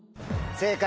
正解！